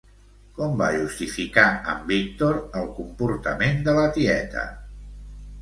Com va justificar en Víctor el comportament de la tieta?